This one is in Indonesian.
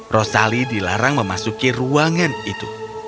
rosali dilarang memasuki ruangan itu